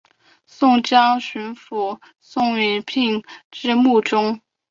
江苏巡抚宋荦聘致幕中。